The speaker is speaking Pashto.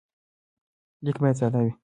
لیک باید ساده وي.